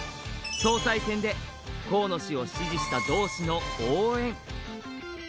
総裁選で河野氏を支持した同志の応援。